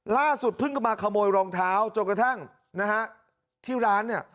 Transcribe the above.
ล่าสุดเพิ่งก็มาขโมยรองเท้าจนกระทั่งนะฮะที่ร้านเนี่ย